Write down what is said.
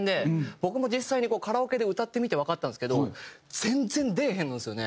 僕も実際にカラオケで歌ってみてわかったんですけど全然出えへんのですよね。